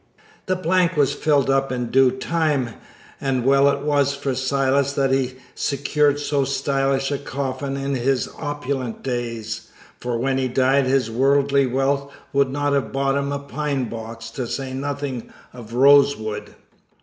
The blank was filled up in due time, and well it was for Silas that he secured so stylish a coffin in his opulent days, for when he died his worldly wealth would not have bought him a pine box, to say nothing of rosewood.